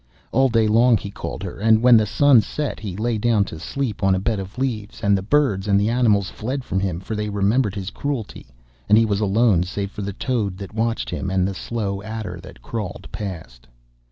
All day long he called to her, and, when the sun set he lay down to sleep on a bed of leaves, and the birds and the animals fled from him, for they remembered his cruelty, and he was alone save for the toad that watched him, and the slow adder that crawled past.